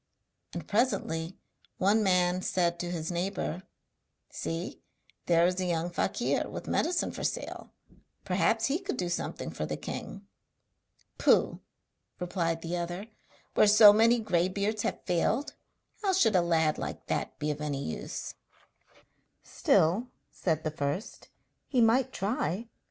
And presently one man said to his neighbour: 'See, there is a young fakir with medicine for sale, perhaps he could do something for the king.' 'Pooh!' replied the other, 'where so many grey beards have failed, how should a lad like that be of any use?' 'Still,' said the first, 'he might try.'